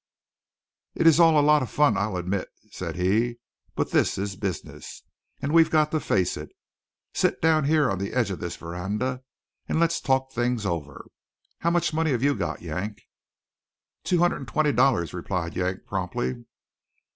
"It is all a lot of fun, I'll admit," said he; "but this is business. And we've got to face it. Sit down here on the edge of this veranda, and let's talk things over. How much money have you got, Yank?" "Two hundred and twenty dollars," replied Yank promptly.